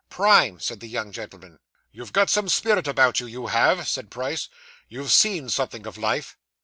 'Prime!' said the young gentleman. 'You've got some spirit about you, you have,' said Price. 'You've seen something of life.